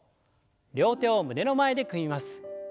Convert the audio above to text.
両手を胸の前で組みます。